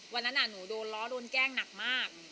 วันนั้นหนูโดนล้อโดนแกล้งหนักมาก